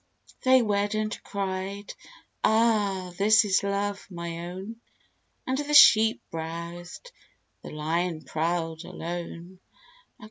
They wed, and cried, "Ah, this is Love, my own!" And the Sheep browsed, the Lion prowled, alone.